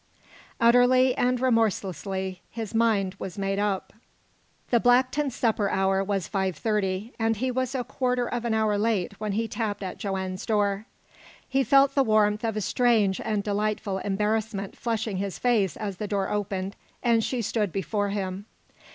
Utterly and remorselessly his mind was made up. The Blacktons' supper hour was five thirty, and he was a quarter of an hour late when he tapped at Joanne's door. He felt the warmth of a strange and delightful embarrassment flushing his face as the door opened, and she stood before him.